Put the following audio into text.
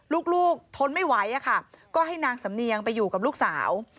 ลูกทนไม่ไหวอะค่ะก็ให้นางสำเนียงไปอยู่กับลูกสาว